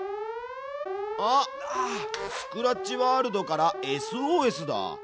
あっスクラッチワールドからＳＯＳだ！